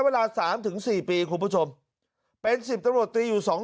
เวลาสามถึงสี่ปีคุณผู้ชมเป็นสิบตำรวจตรีอยู่สองคน